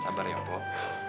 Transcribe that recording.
sabar ya empoh